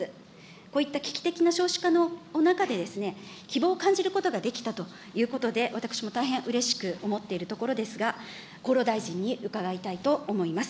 こういった危機的な少子化の中で、希望を感じることができたということで、私も大変うれしく思っているところですが、厚労大臣に伺いたいと思います。